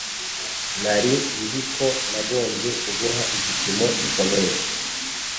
Nari nzi ko nagombye kuguha igipimo gikomeye.